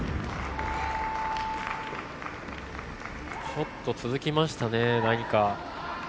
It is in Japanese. ちょっと続きましたね。